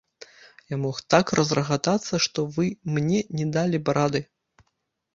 Я мог так разрагатацца, што вы мне не далі б рады.